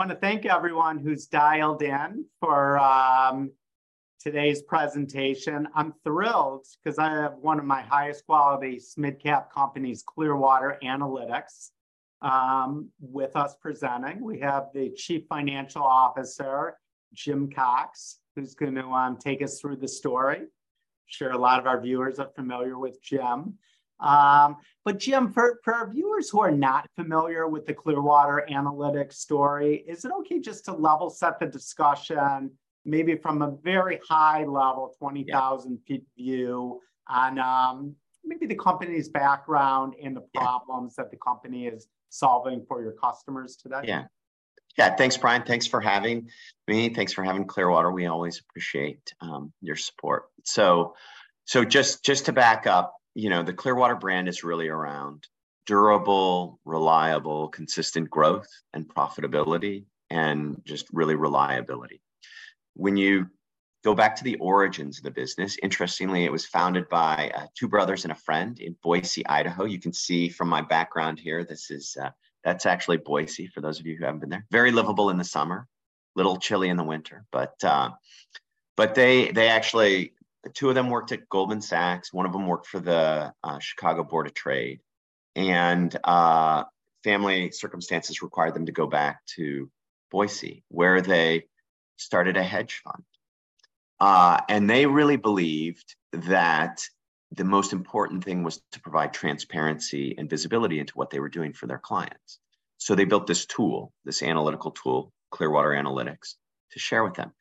I want to thank everyone who's dialed in for today's presentation. I'm thrilled, 'cause I have one of my highest quality mid-cap companies, Clearwater Analytics, with us presenting. We have the Chief Financial Officer, Jim Cox, who's gonna take us through the story. I'm sure a lot of our viewers are familiar with Jim. Jim, for, for our viewers who are not familiar with the Clearwater Analytics story, is it okay just to level-set the discussion, maybe from a very high level, 20,000- - Yeah.... feet view on, maybe the company's background- Yeah The problems that the company is solving for your customers today? Yeah. Yeah, thanks, Brian. Thanks for having me, thanks for having Clearwater. We always appreciate your support. Just, just to back up, you know, the Clearwater brand is really around durable, reliable, consistent growth, and profitability, and just really reliability. When you go back to the origins of the business, interestingly, it was founded by two brothers and a friend in Boise, Idaho. You can see from my background here, this is. That's actually Boise, for those of you who haven't been there. Very livable in the summer, a little chilly in the winter. They, they actually- the two of them worked at Goldman Sachs. One of them worked for the Chicago Board of Trade. Family circumstances required them to go back to Boise, where they started a hedge fund. They really believed that the most important thing was to provide transparency and visibility into what they were doing for their clients, so they built this tool, this analytical tool, Clearwater Analytics, to share with them.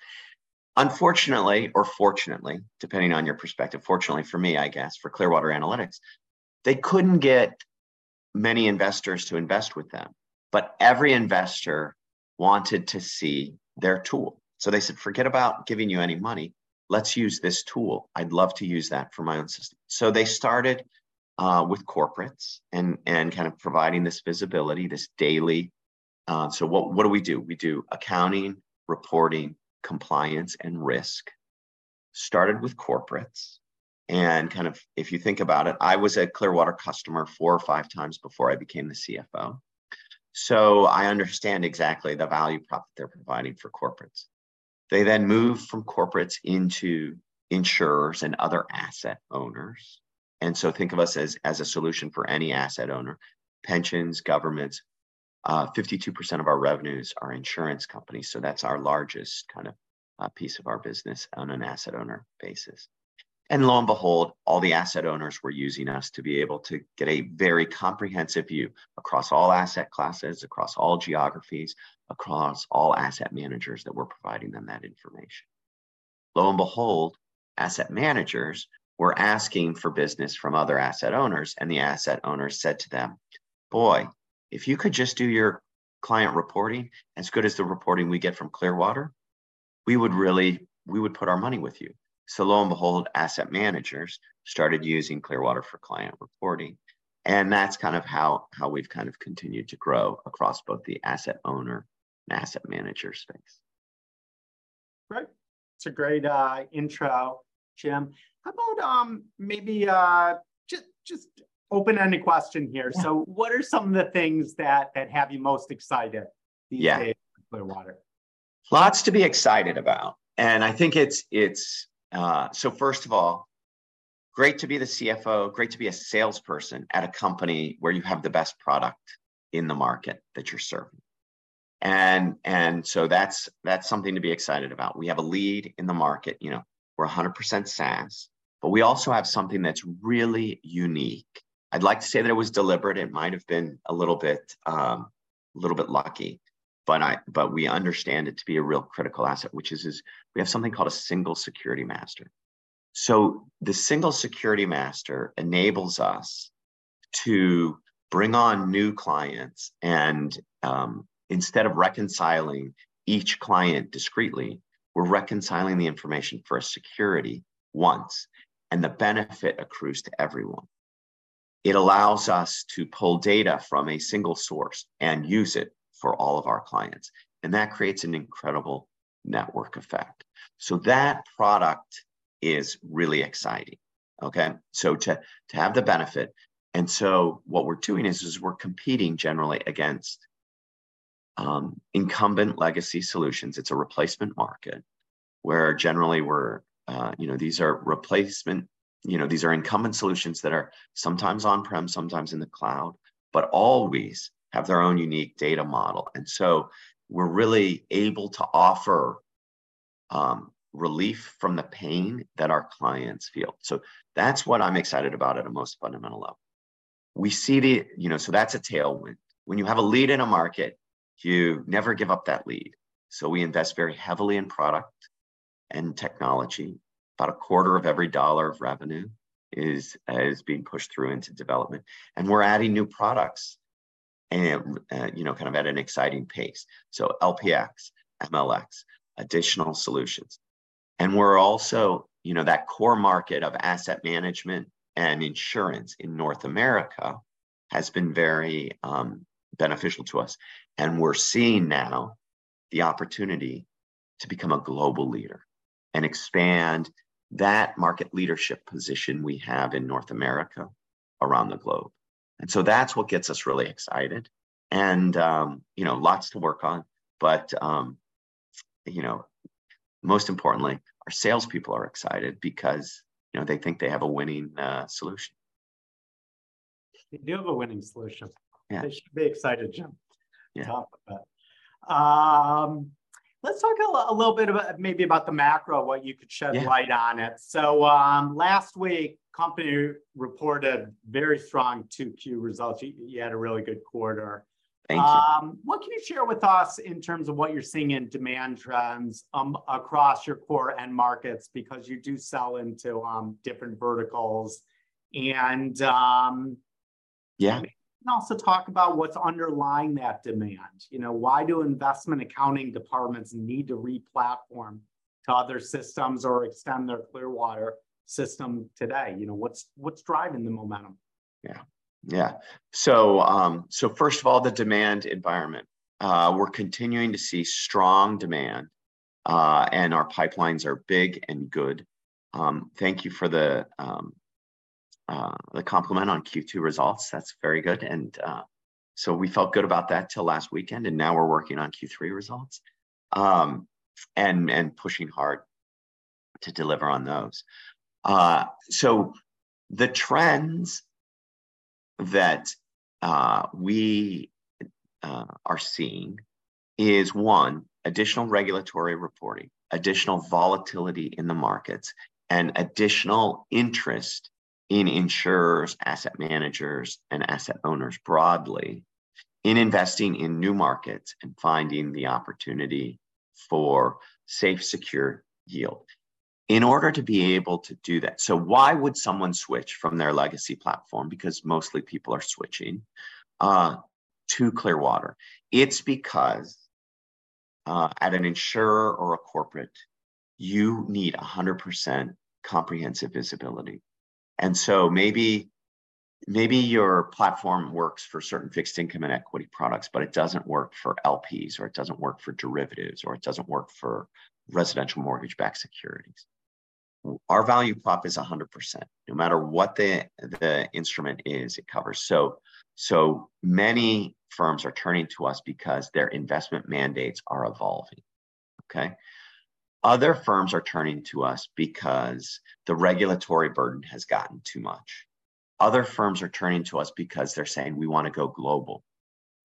Unfortunately, or fortunately, depending on your perspective, fortunately for me, I guess, for Clearwater Analytics, they couldn't get many investors to invest with them, but every investor wanted to see their tool. They said, "Forget about giving you any money, let's use this tool. I'd love to use that for my own system." They started with corporates and kind of providing this visibility, this daily... What, what do we do? We do accounting, reporting, compliance, and risk. Started with corporates and kind of... If you think about it, I was a Clearwater customer four or five times before I became the CFO, so I understand exactly the value prop that they're providing for corporates. They then moved from corporates into insurers and other asset owners, think of us as, as a solution for any asset owner, pensions, governments. 52% of our revenues are insurance companies, so that's our largest kind of piece of our business on an asset owner basis. Lo and behold, all the asset owners were using us to be able to get a very comprehensive view across all asset classes, across all geographies, across all asset managers that were providing them that information. Lo and behold, asset managers were asking for business from other asset owners, and the asset owners said to them, "Boy, if you could just do your client reporting as good as the reporting we get from Clearwater, we would put our money with you." Lo and behold, asset managers started using Clearwater for client reporting, and that's kind of how we've kind of continued to grow across both the asset owner and asset manager space. Great. That's a great intro, Jim. How about maybe just open-ended question here? Yeah What are some of the things that have you most excited-? Yeah - these days at Clearwater? Lots to be excited about, I think it's, it's... First of all, great to be the CFO, great to be a salesperson at a company where you have the best product in the market that you're serving, and, and so that's, that's something to be excited about. We have a lead in the market. You know, we're 100% SaaS. We also have something that's really unique. I'd like to say that it was deliberate. It might have been a little bit, a little bit lucky, but I- but we understand it to be a real critical asset, which is, is we have something called a single security master. The single security master enables us to bring on new clients, and, instead of reconciling each client discreetly, we're reconciling the information for a security once, and the benefit accrues to everyone. It allows us to pull data from a single source and use it for all of our clients, and that creates an incredible network effect. That product is really exciting, okay? To, to have the benefit. What we're doing is, is we're competing generally against incumbent legacy solutions. It's a replacement market, where generally we're. You know, these are replacement, you know, these are incumbent solutions that are sometimes on-prem, sometimes in the cloud, but always have their own unique data model. We're really able to offer relief from the pain that our clients feel. That's what I'm excited about at a most fundamental level. We see the, you know, so that's a tailwind. When you have a lead in a market, you never give up that lead, so we invest very heavily in product and technology. About a quarter of every dollar of revenue is, is being pushed through into development, and we're adding new products and, you know, kind of at an exciting pace, so LPx, MLx, additional solutions. We're also... You know, that core market of asset management and insurance in North America has been very, beneficial to us, and we're seeing now the opportunity to become a global leader and expand that market leadership position we have in North America around the globe. So that's what gets us really excited, and, you know, lots to work on. You know, most importantly, our salespeople are excited because, you know, they think they have a winning, solution. They do have a winning solution. Yeah. They should be excited, Jim. Yeah... on top of that. Let's talk a little bit about, maybe about the macro, what you could- Yeah... shed light on it. last week, company reported very strong 2Q results. You, you had a really good quarter. Thank you. What can you share with us in terms of what you're seeing in demand trends, across your core end markets? Because you do sell into, different verticals and... Yeah Also talk about what's underlying that demand. You know, why do investment accounting departments need to re-platform to other systems or extend their Clearwater system today? You know, what's, what's driving the momentum? Yeah. Yeah. First of all, the demand environment. We're continuing to see strong demand, and our pipelines are big and good. Thank you for the compliment on Q2 results. That's very good, and so we felt good about that till last weekend, and now we're working on Q3 results, and pushing hard to deliver on those. The trends that we are seeing is, one, additional regulatory reporting, additional volatility in the markets, and additional interest in insurers, asset managers, and asset owners broadly in investing in new markets and finding the opportunity for safe, secure yield. In order to be able to do that... Why would someone switch from their legacy platform, because mostly people are switching, to Clearwater? It's because, at an insurer or a corporate, you need 100% comprehensive visibility. Maybe, maybe your platform works for certain fixed income and equity products, but it doesn't work for LPs, or it doesn't work for derivatives, or it doesn't work for residential mortgage-backed securities. Our value prop is 100%. No matter what the, the instrument is, it covers. So many firms are turning to us because their investment mandates are evolving, okay? Other firms are turning to us because the regulatory burden has gotten too much. Other firms are turning to us because they're saying, "We wanna go global,"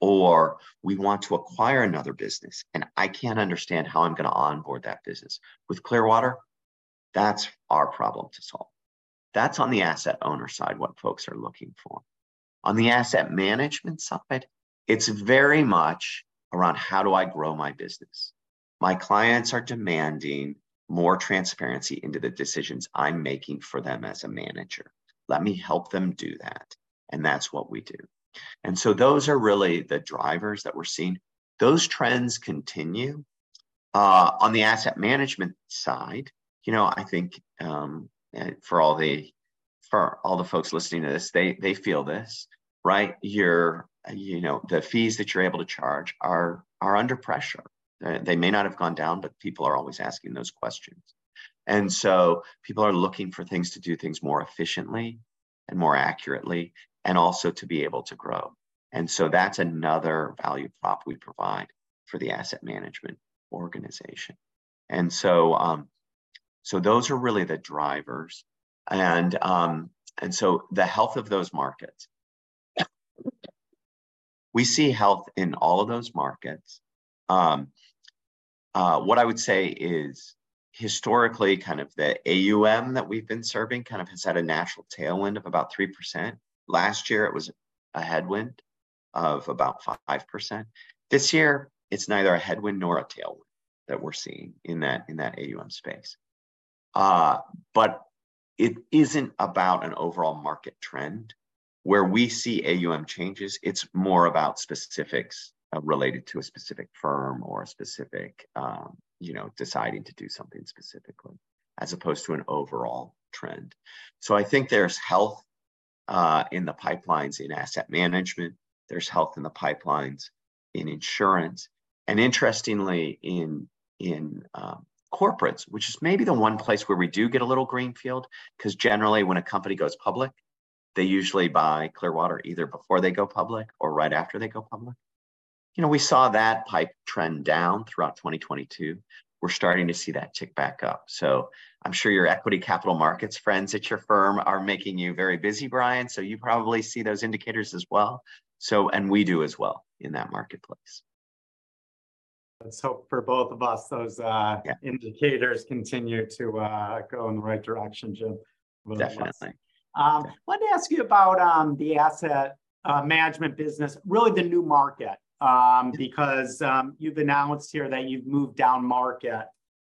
or, "We want to acquire another business, and I can't understand how I'm gonna onboard that business." With Clearwater, that's our problem to solve. That's on the asset owner side, what folks are looking for. On the asset management side, it's very much around, "How do I grow my business? My clients are demanding more transparency into the decisions I'm making for them as a manager. Let me help them do that," and that's what we do. Those are really the drivers that we're seeing. Those trends continue. On the asset management side, you know, I think, for all the, for all the folks listening to this, they, they feel this, right? You know, the fees that you're able to charge are, are under pressure. They may not have gone down, but people are always asking those questions. People are looking for things to do things more efficiently and more accurately, and also to be able to grow, and so that's another value prop we provide for the asset management organization. So those are really the drivers. So the health of those markets. We see health in all of those markets. What I would say is, historically, kind of the AUM that we've been serving kind of has had a natural tailwind of about 3%. Last year, it was a headwind of about 5%. This year, it's neither a headwind nor a tailwind that we're seeing in that, in that AUM space. But it isn't about an overall market trend. Where we see AUM changes, it's more about specifics, related to a specific firm or a specific, you know, deciding to do something specifically, as opposed to an overall trend. I think there's health in the pipelines in asset management, there's health in the pipelines in insurance, and interestingly, in corporates, which is maybe the one place where we do get a little greenfield. 'Cause generally, when a company goes public, they usually buy Clearwater either before they go public or right after they go public. You know, we saw that pipe trend down throughout 2022. We're starting to see that tick back up. I'm sure your equity capital markets friends at your firm are making you very busy, Brian, so you probably see those indicators as well, and we do as well in that marketplace. Let's hope for both of us, those. Yeah... indicators continue to go in the right direction, Jim. Definitely. Let me ask you about the asset management business, really the new market. Because you've announced here that you've moved down market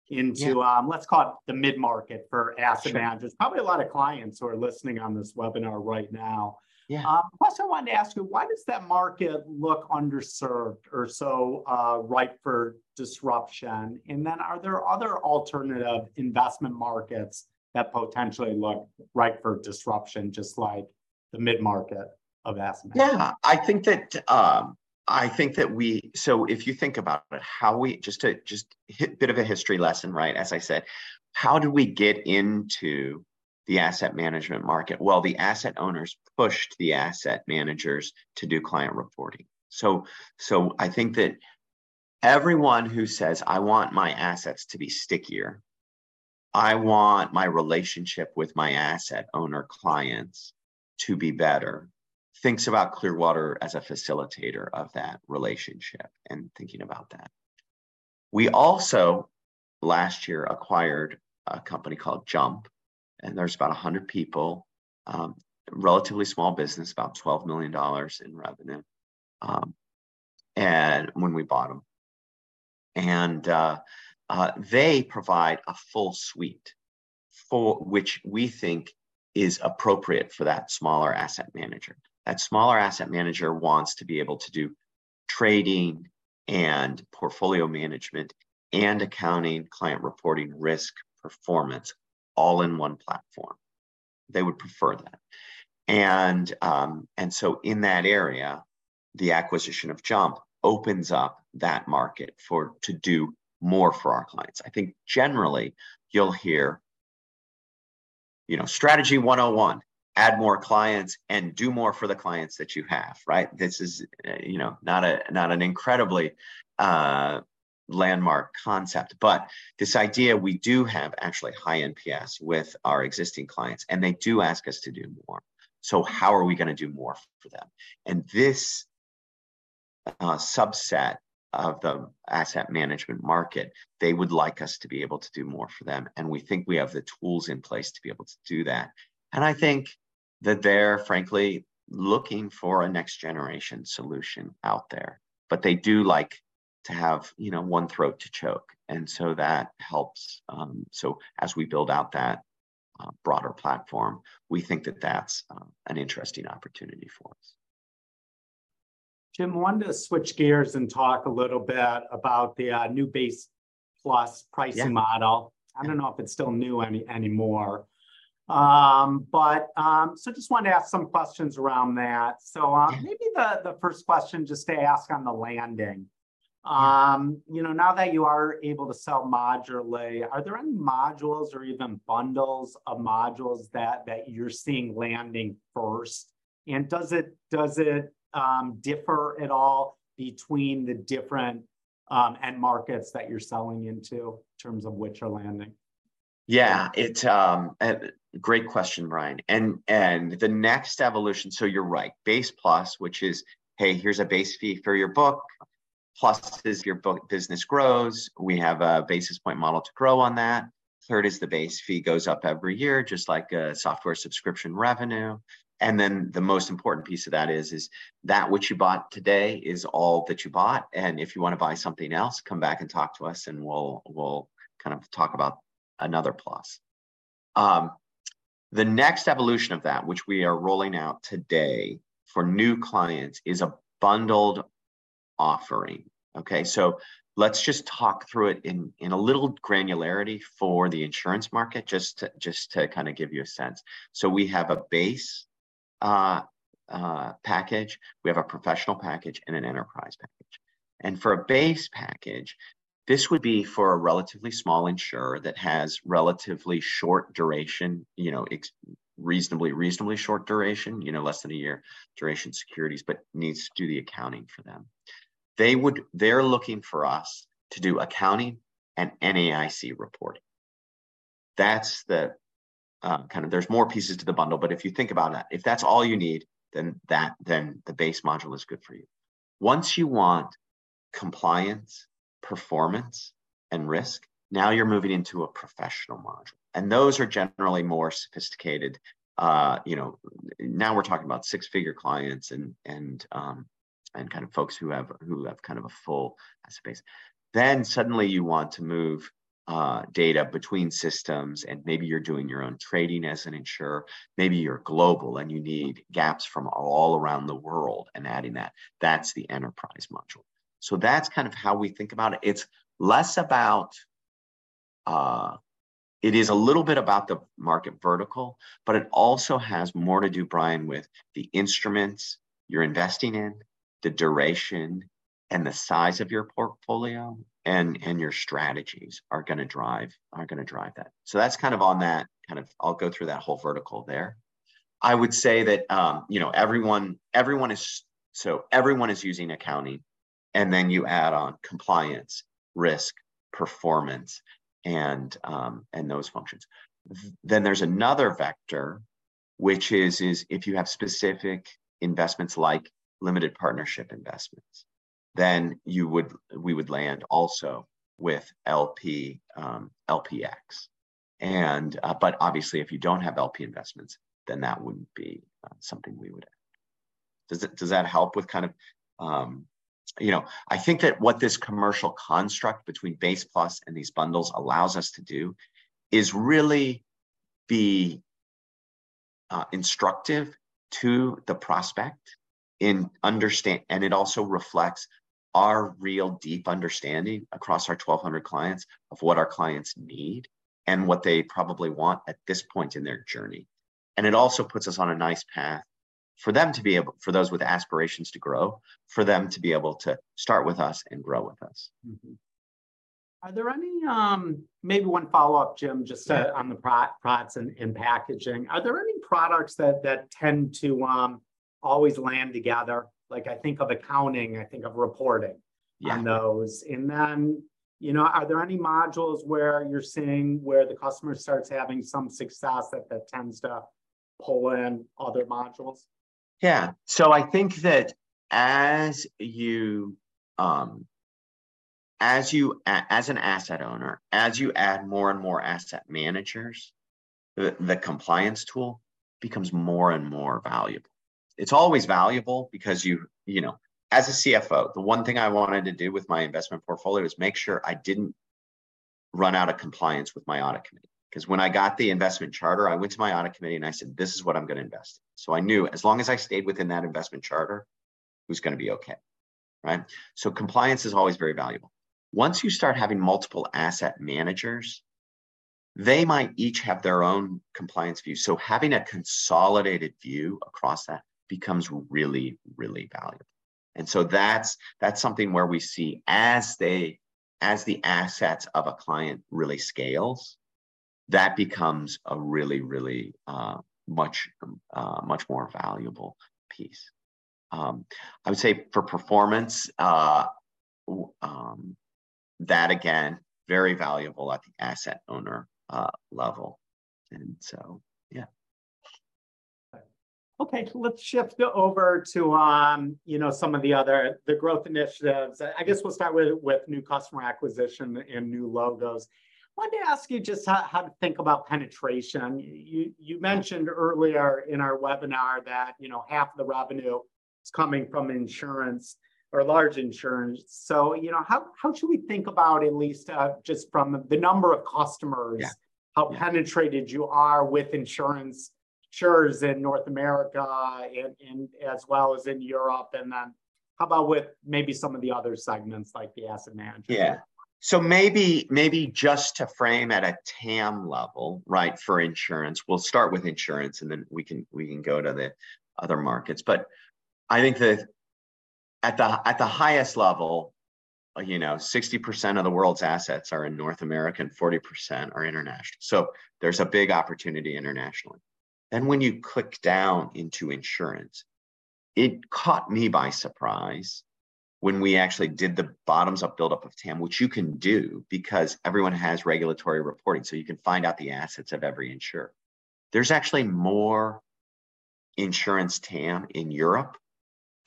into- Yeah... let's call it the mid-market for asset management. Sure. Probably a lot of clients who are listening on this webinar right now. Yeah. plus, I wanted to ask you, why does that market look underserved or so, ripe for disruption? Are there other alternative investment markets that potentially look ripe for disruption, just the mid-market of asset management? Yeah, I think that, I think that so if you think about it, just to, just bit of a history lesson, right? As I said, how do we get into the asset management market? Well, the asset owners pushed the asset managers to do client reporting. So I think that everyone who says, "I want my assets to be stickier. I want my relationship with my asset owner clients to be better," thinks about Clearwater as a facilitator of that relationship, and thinking about that. We also, last year, acquired a company called JUMP, and there's about 100 people, relatively small business, about $12 million in revenue, and when we bought them. They provide a full suite for which we think is appropriate for that smaller asset manager. That smaller asset manager wants to be able to do trading and portfolio management and accounting, client reporting, risk, performance, all in one platform. They would prefer that. So in that area, the acquisition of JUMP opens up that market to do more for our clients. I think generally you'll hear, you know, strategy 101: add more clients and do more for the clients that you have, right? This is, you know, not a, not an incredibly landmark concept, but this idea, we do have actually high NPS with our existing clients, and they do ask us to do more. How are we gonna do more for them? This subset of the asset management market, they would like us to be able to do more for them, and we think we have the tools in place to be able to do that. I think that they're frankly looking for a next-generation solution out there. They do like to have, you know, one throat to choke, and so that helps. As we build out that broader platform, we think that that's an interesting opportunity for us. Jim, I wanted to switch gears and talk a little bit about the new Base+ pricing. Yeah model. I don't know if it's still new any- anymore. just wanted to ask some questions around that. Yeah. Maybe the, the first question just to ask on the landing. You know, now that you are able to sell modularly, are there any modules or even bundles of modules that, that you're seeing landing first? Does it, does it differ at all between the different end markets that you're selling into, in terms of which are landing? Yeah. It, great question, Brian, and, and the next evolution- so you're right. Base Plus, which is, "Hey, here's a base fee for your book. Plus, as your business grows, we have a basis point model to grow on that." Third is the base fee goes up every year, just like a software subscription revenue. Then the most important piece of that is, is that which you bought today is all that you bought, and if you want to buy something else, come back and talk to us and we'll, we'll kind of talk about another plus. The next evolution of that, which we are rolling out today for new clients, is a bundled offering, okay? Let's just talk through it in, in a little granularity for the insurance market, just to, just to kind of give you a sense. We have a base package, we have a professional package, and an enterprise package. For a base package, this would be for a relatively small insurer that has relatively short duration, you know, reasonably, reasonably short duration, you know, less than a year duration securities, but needs to do the accounting for them. They're looking for us to do accounting and NAIC reporting. That's the kind of... There's more pieces to the bundle, but if you think about that, if that's all you need, then that, then the base module is good for you. Once you want compliance, performance, and risk, now you're moving into a professional module, and those are generally more sophisticated. You know, now we're talking about 6-figure clients and, and kind of folks who have, who have kind of a full asset base. Suddenly you want to move data between systems, and maybe you're doing your own trading as an insurer. Maybe you're global and you need GAAPs from all around the world and adding that. That's the enterprise module. That's kind of how we think about it. It's less about, It is a little bit about the market vertical, but it also has more to do, Brian, with the instruments you're investing in, the duration, and the size of your portfolio, and, and your strategies are gonna drive, are gonna drive that. That's kind of on that, kind of, I'll go through that whole vertical there. I would say that, you know, everyone, everyone so everyone is using accounting, and then you add on compliance, risk, performance, and, and those functions. Then there's another vector, which is, if you have specific investments like Limited Partnership investments, then we would land also with LP, LPx. Obviously, if you don't have LP investments, then that wouldn't be something we would add. Does that, does that help with kind of? You know, I think that what this commercial construct between Base Plus and these bundles allows us to do is really be instructive to the prospect in understand, and it also reflects our real deep understanding across our 1,200 clients of what our clients need and what they probably want at this point in their journey. It also puts us on a nice path for them to be able, for those with aspirations to grow, for them to be able to start with us and grow with us. Mm-hmm. Are there any, maybe one follow-up, Jim, just- Yeah on the pro- products and, and packaging. Are there any products that, that tend to, always land together? Like, I think of accounting, I think of reporting- Yeah - and those. Then, you know, are there any modules where you're seeing where the customer starts having some success that, that tends to pull in other modules? Yeah. I think that as you, as you as an asset owner, as you add more and more asset managers, the, the compliance tool becomes more and more valuable. It's always valuable because you, you know, as a CFO, the one thing I wanted to do with my investment portfolio is make sure I didn't run out of compliance with my audit committee. 'Cause when I got the investment charter, I went to my audit committee and I said, "This is what I'm gonna invest." I knew as long as I stayed within that investment charter, it was gonna be okay, right? Compliance is always very valuable. Once you start having multiple asset managers, they might each have their own compliance view. Having a consolidated view across that becomes really, really valuable. That's, that's something where we see as they- as the assets of a client really scales, that becomes a really, really, much, much more valuable piece. I would say for performance, that again, very valuable at the asset owner, level. Yeah. Okay, let's shift over to, you know, some of the other, the growth initiatives. I, I guess we'll start with, with new customer acquisition and new logos. Wanted to ask you just how, how to think about penetration. You, you mentioned earlier in our webinar that, you know, half the revenue is coming from insurance or large insurance. You know, how, how should we think about at least just from the number of customers... Yeah. how penetrated you are with insurance, insurers in North America, and as well as in Europe? How about with maybe some of the other segments, like the asset management? Yeah. Maybe, maybe just to frame at a TAM level, right, for insurance, we'll start with insurance, and then we can, we can go to the other markets. I think that at the, at the highest level, you know, 60% of the world's assets are in North America, and 40% are international. There's a big opportunity internationally. When you click down into insurance, it caught me by surprise when we actually did the bottoms-up build-up of TAM, which you can do because everyone has regulatory reporting, so you can find out the assets of every insurer. There's actually more insurance TAM in Europe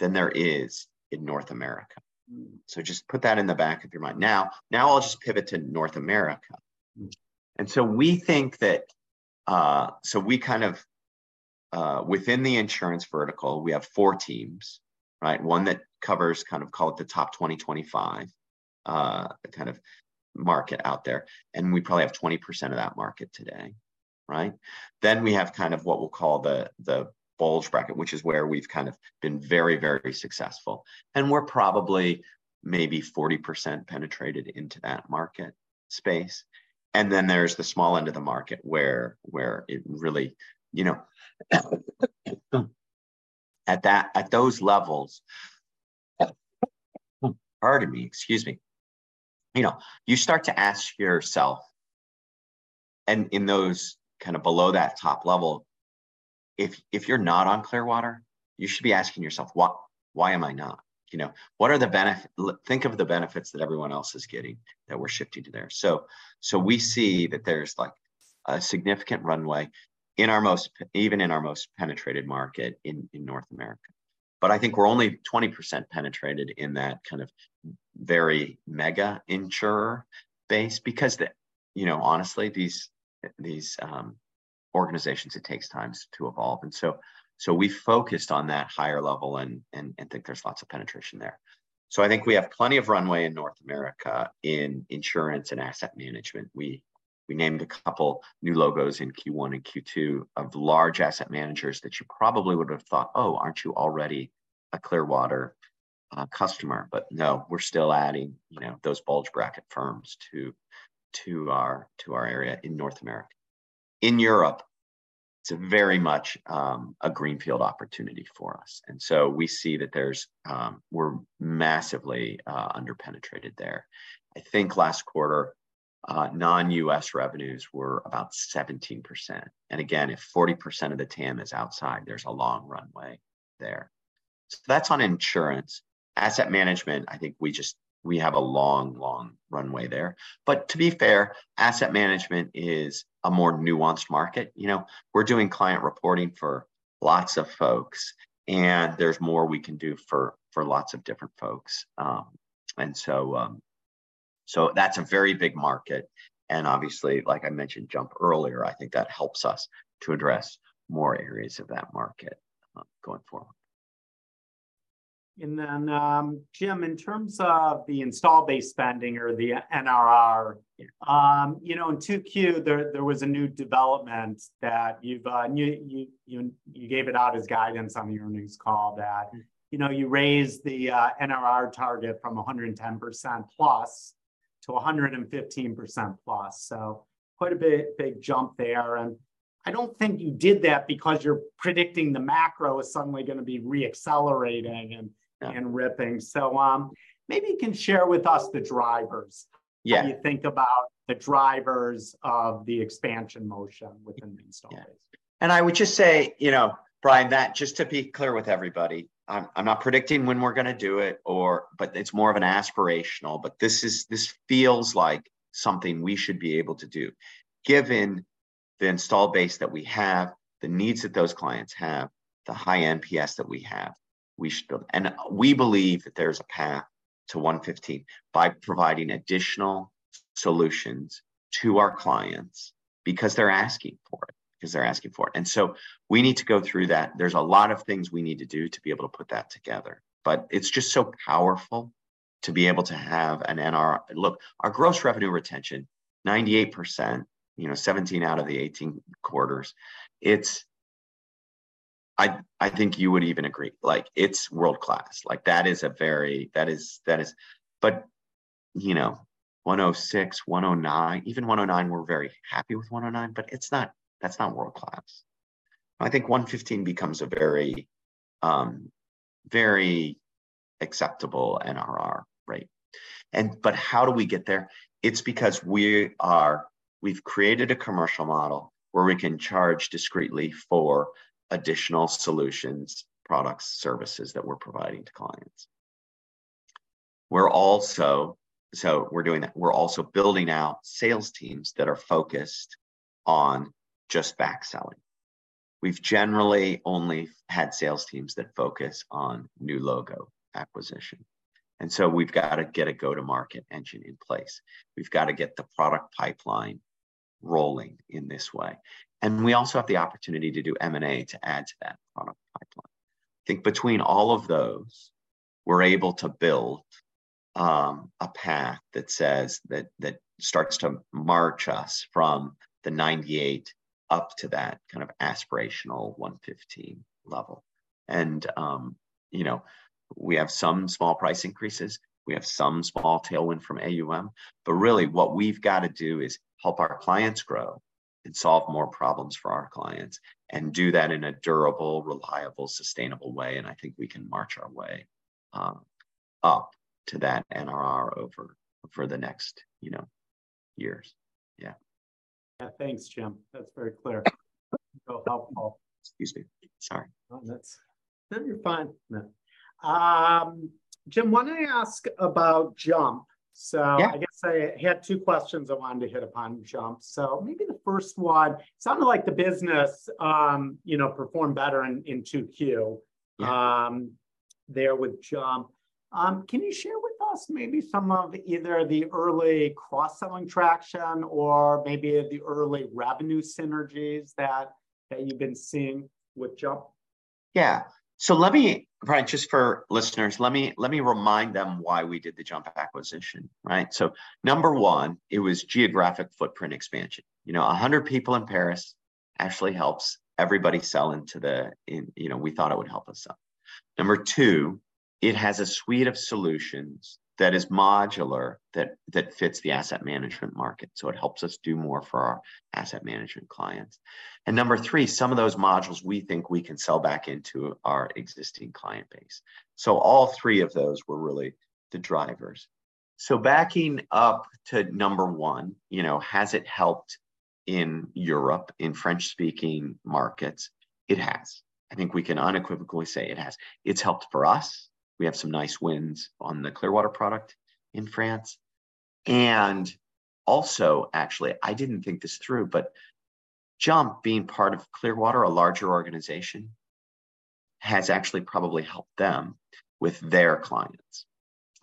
than there is in North America. Mm. Just put that in the back of your mind. Now, now I'll just pivot to North America. Mm. We think that... So we kind of, within the insurance vertical, we have four teams, right? One that covers kind of, call it the top 20-25, kind of market out there, and we probably have 20% of that market today, right? We have kind of what we'll call the, the bulge bracket, which is where we've kind of been very, very successful, and we're probably maybe 40% penetrated into that market space. There's the small end of the market where, where it really, you know, at that- at those levels... Pardon me. Excuse me. You know, you start to ask yourself, and in those kind of below that top level, if, if you're not on Clearwater, you should be asking yourself: "Why, why am I not?" You know, what are the benefits that everyone else is getting, that we're shifting to there. We see that there's, like, a significant runway in our most, even in our most penetrated market in, in North America. I think we're only 20% penetrated in that kind of very mega insurer base because the. You know, honestly, these, these organizations, it takes time to evolve, and so, so we focused on that higher level and, and, and think there's lots of penetration there. I think we have plenty of runway in North America in insurance and asset management. We, we named a couple new logos in Q1 and Q2 of large asset managers that you probably would have thought, "Oh, aren't you already a Clearwater customer?" No, we're still adding, you know, those bulge bracket firms to, to our, to our area in North America. In Europe, it's very much a greenfield opportunity for us, and so we see that there's. We're massively under-penetrated there. I think last quarter, non-US revenues were about 17%. Again, if 40% of the TAM is outside, there's a long runway there. That's on insurance. Asset management, I think we just, we have a long, long runway there. To be fair, asset management is a more nuanced market. You know, we're doing client reporting for lots of folks, and there's more we can do for, for lots of different folks. So, so that's a very big market, and obviously, like I mentioned, JUMP earlier, I think that helps us to address more areas of that market, going forward.... Jim, in terms of the install base spending or the NRR, you know, in 2Q, there, there was a new development that you've... you, you, you, you gave it out as guidance on your news call that- Mm. you know, you raised the NRR target from 110%+ to 115%+. Quite a bit big jump there, I don't think you did that because you're predicting the macro is suddenly gonna be re-accelerating. Yeah... and ripping. Maybe you can share with us the drivers- Yeah. how you think about the drivers of the expansion motion within the install base. Yeah. I would just say, you know, Brian, that just to be clear with everybody, I'm, I'm not predicting when we're gonna do it but it's more of an aspirational, but this feels like something we should be able to do, given the install base that we have, the needs that those clients have, the high NPS that we have. We believe that there's a path to 115 by providing additional solutions to our clients because they're asking for it. Because they're asking for it. We need to go through that. There's a lot of things we need to do to be able to put that together, but it's just so powerful to be able to have look, our gross revenue retention, 98%, you know, 17 out of the 18 quarters. It's... I think you would even agree, like, it's world-class. Like, that is a very. That is. You know, 106, 109, even 109, we're very happy with 109, but it's not that's not world-class. I think 115 becomes a very, very acceptable NRR, right? How do we get there? It's because we are we've created a commercial model where we can charge discreetly for additional solutions, products, services that we're providing to clients. We're also so we're doing that. We're also building out sales teams that are focused on just back selling. We've generally only had sales teams that focus on new logo acquisition, so we've got to get a go-to-market engine in place. We've got to get the product pipeline rolling in this way. We also have the opportunity to do M&A to add to that product pipeline. I think between all of those, we're able to build a path that says that, that starts to march us from the 98 up to that kind of aspirational 115 level. You know, we have some small price increases, we have some small tailwind from AUM, but really what we've got to do is help our clients grow and solve more problems for our clients, and do that in a durable, reliable, sustainable way, and I think we can march our way up to that NRR over for the next, you know, years. Yeah. Yeah. Thanks, Jim. That's very clear. Helpful. Excuse me. Sorry. No, that's... No, you're fine. No. Jim, wanted to ask about JUMP. Yeah. I guess I had two questions I wanted to hit upon JUMP. Maybe the first one, sounded like the business, you know, performed better in Q2. Yeah... there with JUMP. Can you share with us maybe some of either the early cross-selling traction or maybe the early revenue synergies that, that you've been seeing with JUMP? Yeah. Just for listeners, let me, let me remind them why we did the JUMP acquisition, right? Number one, it was geographic footprint expansion. You know, 100 people in Paris actually helps everybody sell, you know, we thought it would help us sell. Number two, it has a suite of solutions that is modular, that fits the asset management market, so it helps us do more for our asset management clients. Number three, some of those modules we think we can sell back into our existing client base. All three of those were really the drivers. Backing up to number one, you know, has it helped in Europe, in French-speaking markets? It has. I think we can unequivocally say it has. It's helped for us. We have some nice wins on the Clearwater product in France. Also, actually, I didn't think this through, but JUMP, being part of Clearwater, a larger organization, has actually probably helped them with their clients,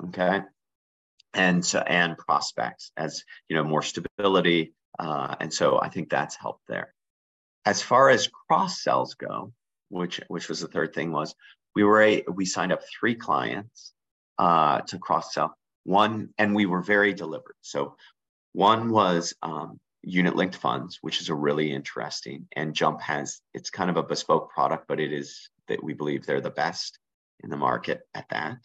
okay? Prospects, as, you know, more stability. I think that's helped there. As far as cross-sells go, which, which was the third thing, was we signed up three clients to cross-sell. We were very deliberate. One was unit-linked funds, which is a really interesting, and it's kind of a bespoke product, but that we believe they're the best in the market at that.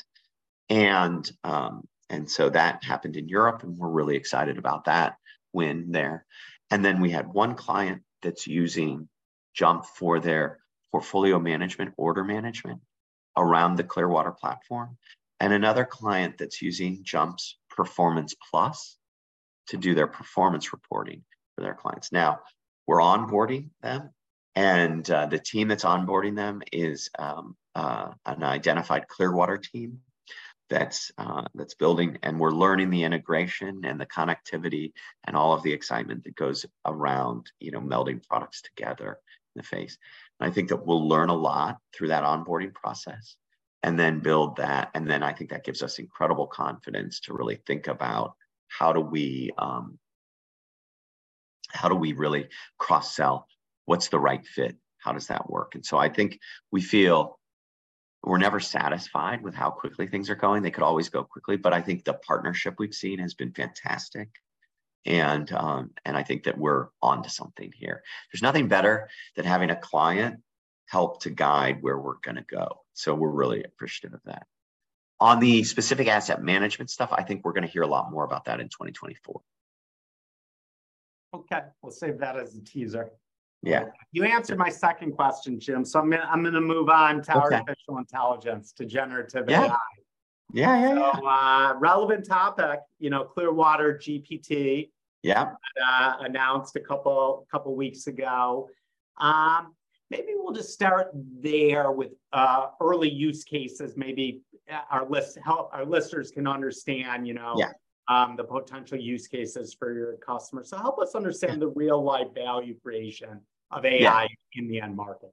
That happened in Europe, and we're really excited about that win there. Then we had one client that's using JUMP for their portfolio management, order management around the Clearwater platform, and another client that's using JUMP's Performance Plus to do their performance reporting for their clients. Now, we're onboarding them, and the team that's onboarding them is an identified Clearwater team that's building. We're learning the integration and the connectivity and all of the excitement that goes around, you know, melding products together in the phase. I think that we'll learn a lot through that onboarding process and then build that, and then I think that gives us incredible confidence to really think about how do we really cross-sell? What's the right fit? How does that work? So I think we feel we're never satisfied with how quickly things are going. They could always go quickly, but I think the partnership we've seen has been fantastic, and, and I think that we're onto something here. There's nothing better than having a client help to guide where we're gonna go, so we're really appreciative of that. On the specific asset management stuff, I think we're gonna hear a lot more about that in 2024. Okay, we'll save that as a teaser. Yeah. You answered my second question, Jim, so I'm gonna move on. Okay... to artificial intelligence, to generative AI. Yeah. Yeah, yeah, yeah. Relevant topic, you know, Clearwater-GPT- Yeah... announced a couple, couple weeks ago. Maybe we'll just start there with early use cases. Maybe help our listeners can understand, you know. Yeah... the potential use cases for your customers. Help us understand- Yeah the real-life value creation of AI- Yeah... in the end market.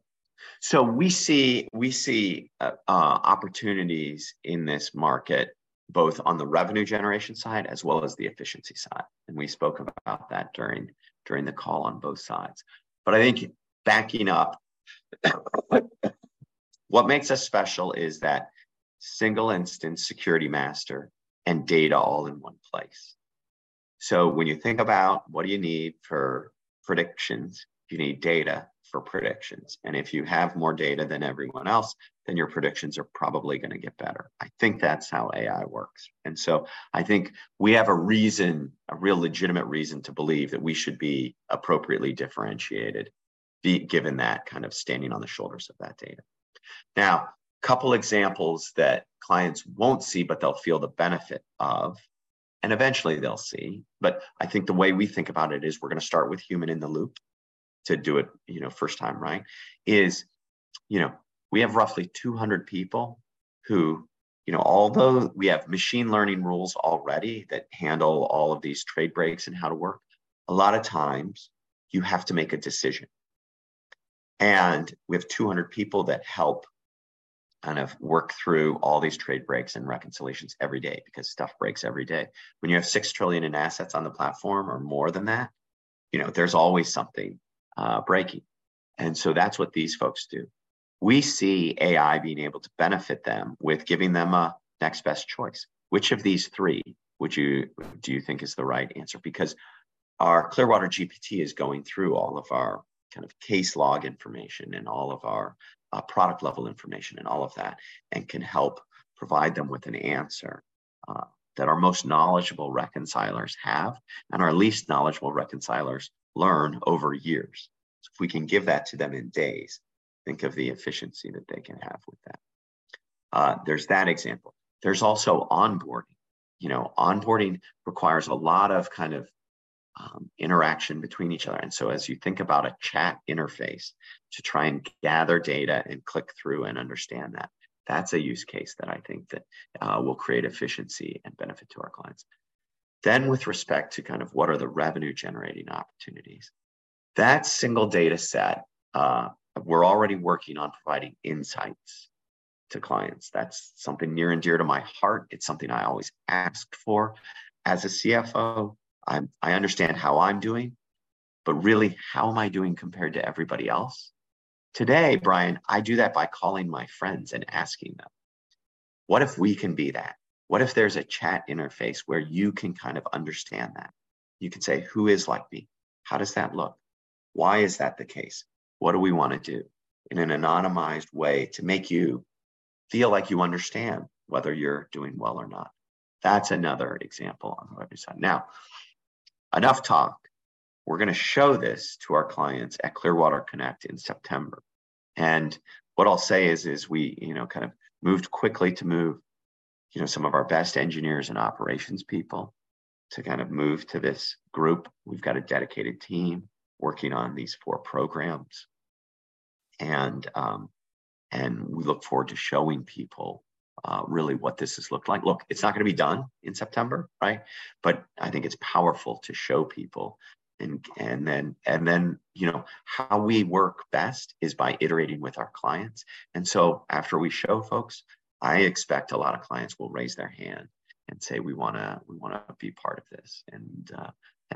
We see, we see opportunities in this market, both on the revenue generation side as well as the efficiency side, and we spoke about that during, during the call on both sides. I think backing up, what makes us special is that single instance security master and data all in one place. When you think about what do you need for predictions, you need data for predictions, and if you have more data than everyone else, then your predictions are probably gonna get better. I think that's how AI works. I think we have a reason, a real legitimate reason to believe that we should be appropriately differentiated, given that kind of standing on the shoulders of that data. Couple examples that clients won't see, but they'll feel the benefit of, and eventually they'll see, but I think the way we think about it is we're gonna start with human in the loop to do it, you know, first time right. You know, we have roughly 200 people who, you know, although we have machine learning rules already that handle all of these trade breaks and how to work, a lot of times you have to make a decision. We have 200 people that help kind of work through all these trade breaks and reconciliations every day because stuff breaks every day. When you have $6 trillion in assets on the platform or more than that, you know, there's always something breaking, and so that's what these folks do. We see AI being able to benefit them with giving them a next best choice. Which of these three would you- do you think is the right answer? Because our Clearwater-GPT is going through all of our kind of case log information and all of our product-level information and all of that, and can help provide them with an answer that our most knowledgeable reconcilers have and our least knowledgeable reconcilers learn over years. If we can give that to them in days, think of the efficiency that they can have with that. There's that example. There's also onboarding. You know, onboarding requires a lot of kind of interaction between each other, so as you think about a chat interface to try and gather data and click through and understand that, that's a use case that I think that will create efficiency and benefit to our clients. With respect to kind of what are the revenue-generating opportunities, that single data set, we're already working on providing insights to clients. That's something near and dear to my heart. It's something I always asked for. As a CFO, I understand how I'm doing, but really, how am I doing compared to everybody else? Today, Brian, I do that by calling my friends and asking them. What if we can be that? What if there's a chat interface where you can kind of understand that? You can say: "Who is like me? How does that look? Why is that the case? What do we wanna do?" In an anonymized way to make you feel like you understand whether you're doing well or not. That's another example on the revenue side. Enough talk. We're gonna show this to our clients at Clearwater Connect in September. What I'll say is is we, you know, kind of moved quickly to move, you know, some of our best engineers and operations people to kind of move to this group. We've got a dedicated team working on these four programs. We look forward to showing people really what this has looked like. Look, it's not gonna be done in September, right? I think it's powerful to show people and then... You know, how we work best is by iterating with our clients. So after we show folks, I expect a lot of clients will raise their hand and say, "We wanna, we wanna be part of this," and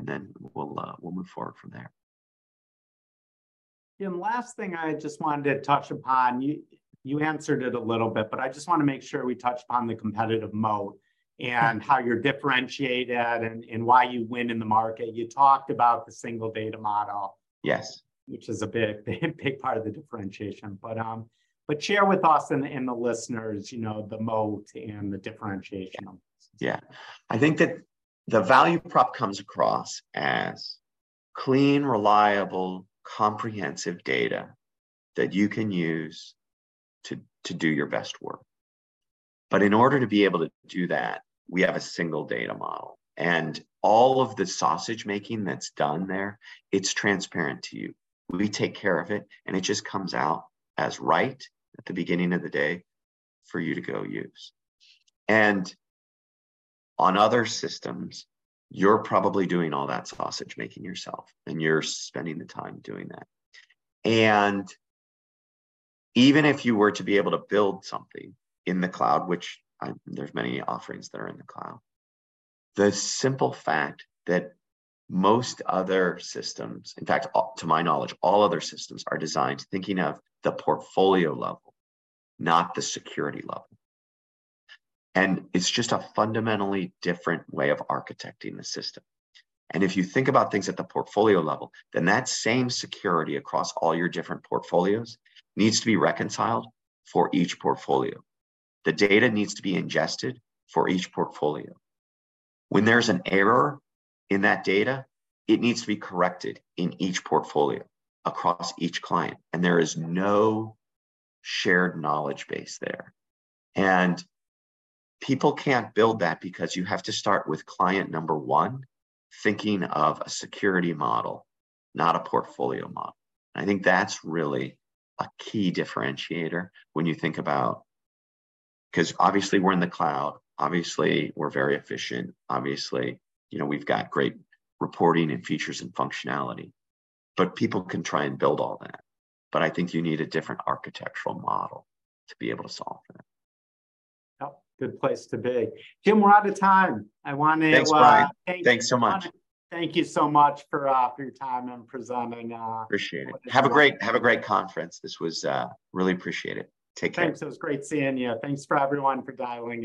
then we'll move forward from there. Jim, last thing I just wanted to touch upon. You, you answered it a little bit, but I just wanna make sure we touched on the competitive moat and how you're differentiated and, and why you win in the market. You talked about the single data model- Yes.... which is a big, big part of the differentiation. But share with us and, and the listeners, you know, the mode and the differentiation. Yeah. I think that the value prop comes across as clean, reliable, comprehensive data that you can use to, to do your best work. In order to be able to do that, we have a single data model, and all of the sausage-making that's done there, it's transparent to you. We take care of it, and it just comes out as right at the beginning of the day for you to go use. On other systems, you're probably doing all that sausage-making yourself, and you're spending the time doing that. Even if you were to be able to build something in the cloud, which, there's many offerings that are in the cloud, the simple fact that most other systems... In fact, to my knowledge, all other systems are designed thinking of the portfolio level, not the security level, and it's just a fundamentally different way of architecting the system. If you think about things at the portfolio level, then that same security across all your different portfolios needs to be reconciled for each portfolio. The data needs to be ingested for each portfolio. When there's an error in that data, it needs to be corrected in each portfolio across each client, and there is no shared knowledge base there. People can't build that because you have to start with client number one, thinking of a security model, not a portfolio model. I think that's really a key differentiator when you think about, 'cause obviously, we're in the cloud, obviously, we're very efficient, obviously, you know, we've got great reporting and features and functionality, but people can try and build all that. I think you need a different architectural model to be able to solve that. Yep, good place to be. Jim, we're out of time. I want to- Thanks, Brian. Thank- Thanks so much. Thank you so much for your time and presenting. Appreciate it. What a time. Have a great, have a great conference. This was. Really appreciate it. Take care. Thanks. It was great seeing you. Thanks for everyone for dialing in.